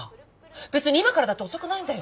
別に今からだって遅くないんだよ！